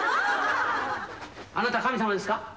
あなた神様ですか？